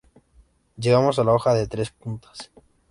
Llegamos a la hoja de tres puntas.